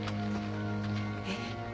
えっ？